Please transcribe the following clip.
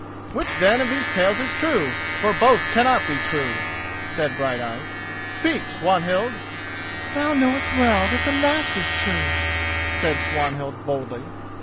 "Which, then, of these tales is true? for both cannot be true," said Brighteyes. "Speak, Swanhild." "Thou knowest well that the last is true," said Swanhild boldly.